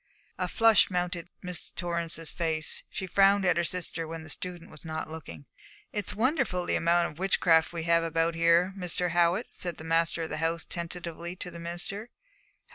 A flush mounted Miss Torrance's face; she frowned at her sister when the student was not looking. 'It's wonderful, the amount of witchcraft we have about here, Mr. Howitt,' said the master of the house tentatively to the minister.